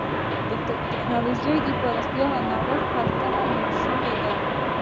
د ټکنالوجۍ پراختیا له نوښت پرته ناشونې ده.